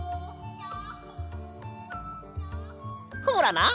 ほらな！